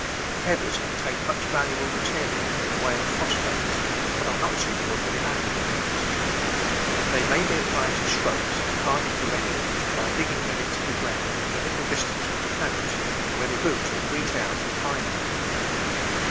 Feathers contain much valuable ma terial in the way of phosphates, but are not suitable for the annual beds. They may be applied to shrubs and hardy perennials by digging them into the ground at a little distance from the plants, where the roots will reach out and find them.